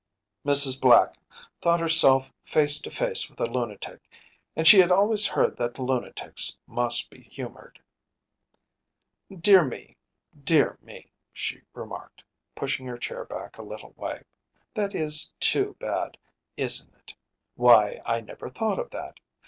‚ÄĚ Mrs. Black thought herself face to face with a lunatic, and she had always heard that lunatics must be humored. “Dear me, dear me,‚ÄĚ she remarked, pushing her chair back a little way, “that is too bad, isn’t it? Why, I never thought of that.